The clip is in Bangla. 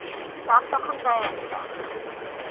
রাত তখন প্রায় একটা।